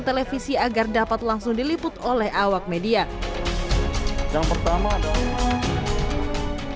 televisi agar dapat langsung diliput oleh awak media yang pertama adalah